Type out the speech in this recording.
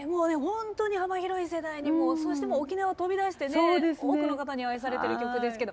本当に幅広い世代にもそして沖縄を飛び出してね多くの方に愛されてる曲ですけど。